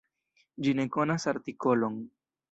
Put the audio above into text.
Ĝi ne konas artikolon.